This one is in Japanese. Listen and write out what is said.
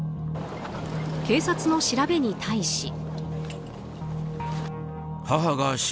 警察の調べに対し。